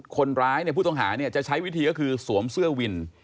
คนร้ายผู้ต้องหาจะใช้วิธีก็คือสวมเสื้อวิน